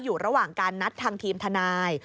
อยู่ระหว่างการนัดทางทีมทนาย